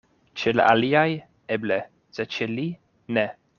Ĉe la aliaj, eble; sed ĉe li, ne.